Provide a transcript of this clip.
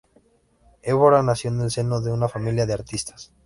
Évora nació en el seno de una familia de artistas.